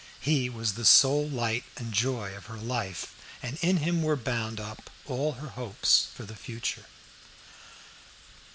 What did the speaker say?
He was the sole light and joy of her life, and in him were bound up all her hopes for the future.